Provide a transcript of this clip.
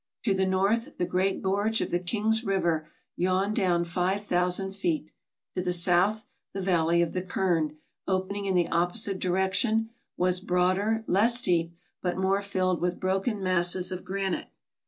To the north the great gorge of the King's River yawned down 5000 feet. To the south, the valley of the Kern, opening in the opposite direction, was broader, less deep, but more filled with broken masses of granite.